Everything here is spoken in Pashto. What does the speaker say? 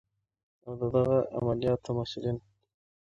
او د دغه عملیاتو مسؤلین